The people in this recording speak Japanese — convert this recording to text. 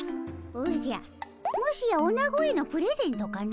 おじゃもしやおなごへのプレゼントかの？